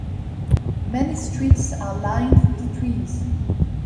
Many streets are lined with trees.